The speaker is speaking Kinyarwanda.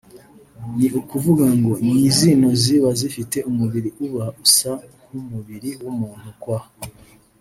ni ukuvuga ngo ni zino ziba zifite umubiri uba usa nkumubiri w’umuntu quoi